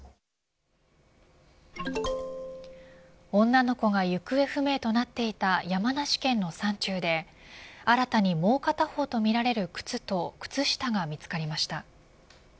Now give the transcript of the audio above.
女の子が行方不明となっていた山梨県の山中で新たにもう片方とみられる靴と靴下が見つかりました。